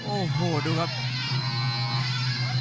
โอ้โหดูครับ